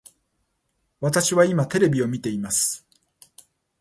私は今テレビを見ています